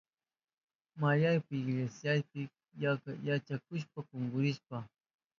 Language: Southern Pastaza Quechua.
Mariaka iglesiapi yaykushpan kunkurirka.